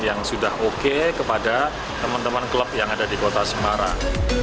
yang sudah oke kepada teman teman klub yang ada di kota semarang